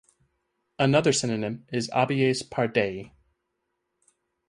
Another synonym is "Abies pardei".